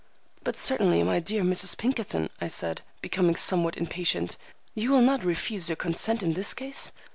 "But certainly, my dear Mrs. Pinkerton," I said, becoming somewhat impatient, "you will not refuse your consent in this case?